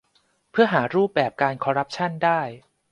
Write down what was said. เพื่อหารูปแบบการคอรัปชั่นได้